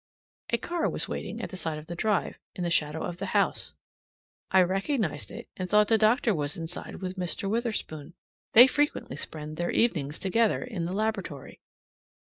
A car was standing at the side of the drive, in the shadow of the house. I recognized it, and thought the doctor was inside with Mr. Witherspoon. (They frequently spend their evenings together in the laboratory.)